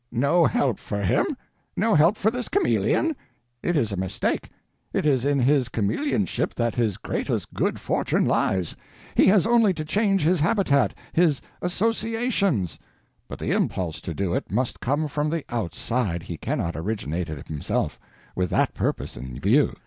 No help for him? No help for this chameleon? It is a mistake. It is in his chameleonship that his greatest good fortune lies. He has only to change his habitat—his associations. But the impulse to do it must come from the _outside _—he cannot originate it himself, with that purpose in view.